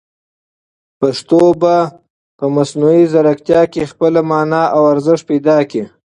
پښتو به په مصنوعي ځیرکتیا کې خپله مانا او ارزښت پیدا کړي.